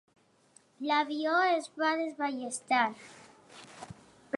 L'avió es va desballestar.